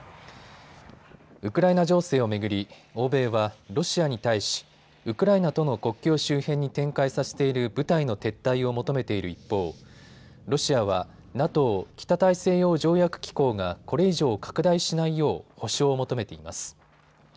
ウクライナ情勢を巡り欧米はロシアに対しウクライナとの国境周辺に展開させている部隊の撤退を求めている一方、ロシアはＮＡＴＯ・北大西洋条約機構がこれ以上、拡大しないよう保証を求めています。